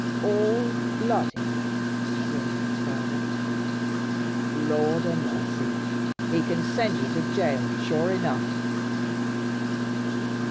"All bloody!" groaned his father. "Lord 'a mercy! He can send you to jail, sure enough!"